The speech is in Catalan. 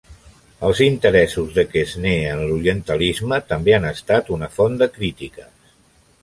Els interessos de Quesnay en l'orientalisme també han estat una font de crítiques.